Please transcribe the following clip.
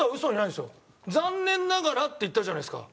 「残念ながら」って言ったじゃないですか。